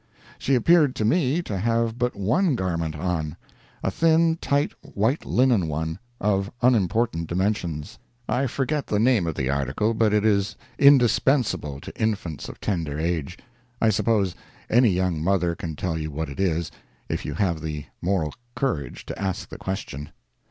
She appeared to me to have but one garment on—a thin tight white linen one, of unimportant dimensions; I forget the name of the article, but it is indispensable to infants of tender age—I suppose any young mother can tell you what it is, if you have the moral courage to ask the question.